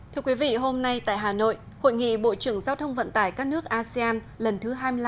thưa quý vị hôm nay tại hà nội hội nghị bộ trưởng giao thông vận tải các nước asean lần thứ hai mươi năm